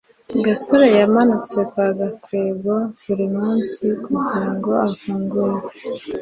gasore yamanutse kwa gakwego buri munsi kugirango afungure